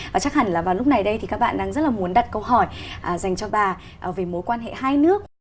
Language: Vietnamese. và chắc hẳn là vào lúc này đây thì các bạn đang rất là muốn đặt câu hỏi dành cho bà về mối quan hệ hai nước